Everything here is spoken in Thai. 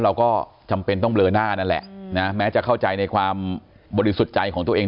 เราก็จำเป็นต้องเลอหน้านั่นแหละนะแม้จะเข้าใจในความบริสุทธิ์ใจของตัวเอง